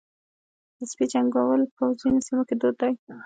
د سپي جنګول په ځینو سیمو کې دود دی.